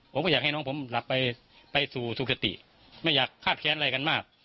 ผมก็อยากให้น้องผมหลับไปไปสู่สุขติไม่อยากคาดแค้นอะไรกันมาก